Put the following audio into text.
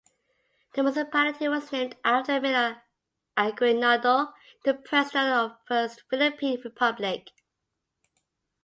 The municipality was named after Emilio Aguinaldo, the president of the First Philippine Republic.